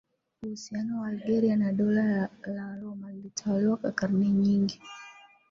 uhusiano wa Algeria na Dola la Roma lililoitawala kwa karne nyingi